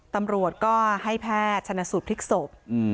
ตำรวจก็ให้แพทย์ชนสูตรพลิกศพ